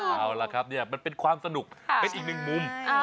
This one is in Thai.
เอาล่ะครับเนี่ยมันเป็นความสนุกเป็นอีกหนึ่งมุม